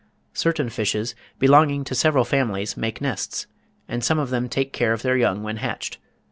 Certain fishes, belonging to several families, make nests, and some of them take care of their young when hatched.